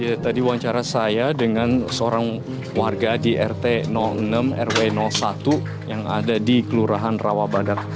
ya tadi wawancara saya dengan seorang warga di rt enam rw satu yang ada di kelurahan rawabadak